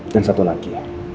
dan satu lagi